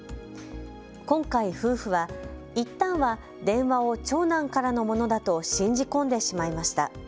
今回、夫婦はいったんは電話を長男からのものだと信じ込んでしまいました。